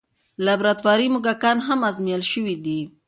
لابراتواري موږکان هم ازمویل شوي دي.